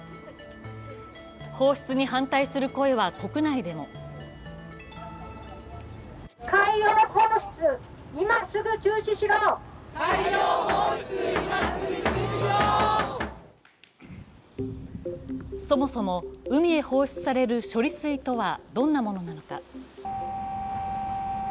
放出に範囲する声は国内でもそもそも海へ放出される処理水とはどんなものなのか。